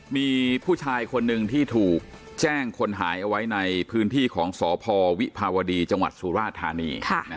มีผู้ชายคนหนึ่งที่ถูกแจ้งคนหายเอาไว้ในพื้นที่ของสพวิภาวดีจังหวัดสุราธานี